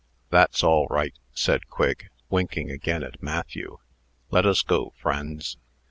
"That's all right," said Quigg, winking again at Matthew. "Let us go, friends."